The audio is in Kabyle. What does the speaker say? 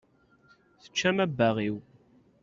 Teččam abbaɣ-iw.